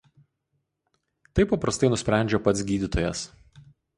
Tai paprastai nusprendžia pats gydytojas.